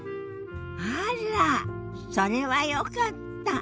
あらっそれはよかった。